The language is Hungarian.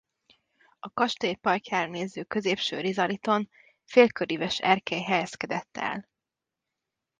A kastély parkjára néző középső rizaliton félköríves erkély helyezkedett el.